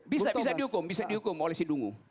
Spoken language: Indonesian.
bisa bisa dihukum bisa dihukum oleh si dungu